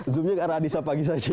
zoom nya ke arah adisa pagis aja